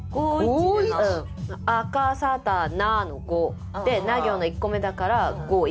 アカサタナの５でナ行の１個目だから５・１。